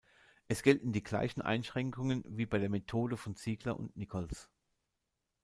Es gelten die gleichen Einschränkungen wie bei der Methode von Ziegler und Nichols.